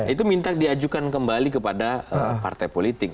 itu minta diajukan kembali kepada partai politik